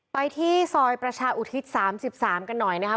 ไปที่ซอยประชาอุทิศ๓๓กันหน่อยนะครับ